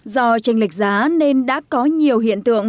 do tranh lệch giá nên đã có nhiều hiện tượng